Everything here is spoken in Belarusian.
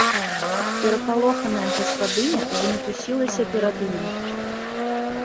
Перапалоханая гаспадыня замітусілася перад ім.